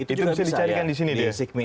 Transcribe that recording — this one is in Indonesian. itu bisa dicarikan di sini dia